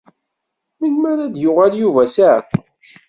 Melmi ara d-yuɣal Yuba si Ɛeṭṭuc?